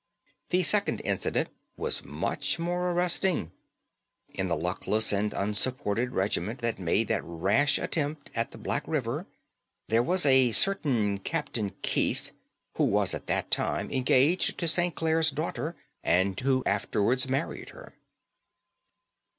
The second incident was much more arresting. In the luckless and unsupported regiment which made that rash attempt at the Black River there was a certain Captain Keith, who was at that time engaged to St. Clare's daughter, and who afterwards married her.